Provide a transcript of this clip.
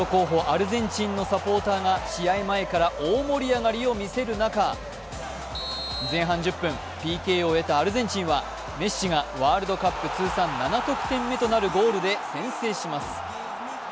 アルゼンチンのサポーターが試合前から大盛り上がりを見せる中、前半１０分、ＰＫを得たアルゼンチンはメッシがワールドカップ通算７得点目となるゴールで先制します。